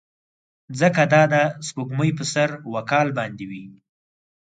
ځکه دده سپېږمې به سر وکال بندې وې.